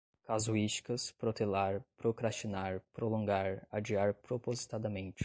casuísticas, protelar, procrastinar, prolongar, adiar propositadamente